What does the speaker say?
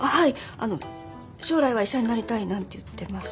あの将来は医者になりたいなんて言ってます。